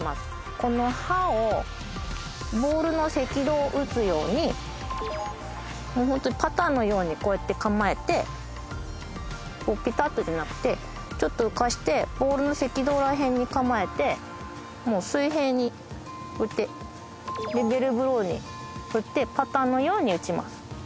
この刃をボールの赤道打つようにもうホントにパターのようにこうやって構えてこうペタッとじゃなくてちょっと浮かせてボールの赤道らへんに構えてもう水平にこうやってレベルブローに振ってパターのように打ちます。